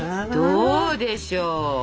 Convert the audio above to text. どうでしょう。